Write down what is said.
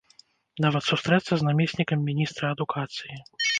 Нават сустрэцца з намеснікам міністра адукацыі.